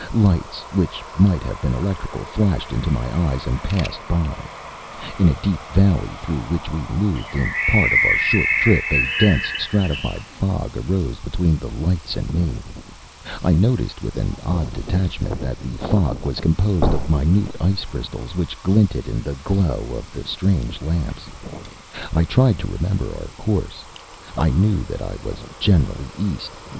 Lights, which might have been electrical, flashed into my eyes and passed by. In a deep valley through which we moved in part of our short trip, a dense, stratified fog arose between the lights and me. I noticed with an odd detachment that the fog was composed of minute ice crystals, which glinted in the glow of the strange lamps. I tried to remember our course. I knew that it was generally east.